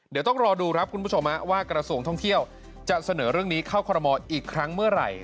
เดี๋ยวต้องรอดูครับคุณผู้ชมว่ากระทรวงท่องเที่ยวจะเสนอเรื่องนี้เข้าคอรมอลอีกครั้งเมื่อไหร่